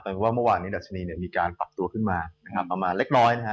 เพราะว่าเมื่อวานนี้ดัชนีมีการปรับตัวขึ้นมาประมาณเล็กน้อยนะครับ